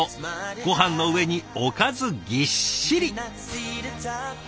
ごはんの上におかずぎっしり。